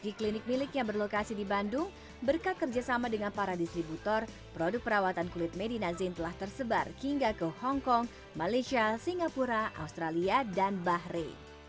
uji klinik miliknya berlokasi di bandung berkat kerjasama dengan para distributor produk perawatan kulit medinazin telah tersebar hingga ke hongkong malaysia singapura australia dan bahre